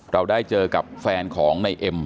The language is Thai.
เราได้เจอกับแฟนของในเอ็ม